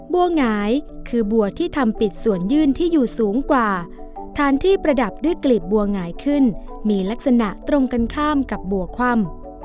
หงายคือบัวที่ทำปิดส่วนยื่นที่อยู่สูงกว่าฐานที่ประดับด้วยกลีบบัวหงายขึ้นมีลักษณะตรงกันข้ามกับบัวคว่ำ